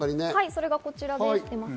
それがこちらです。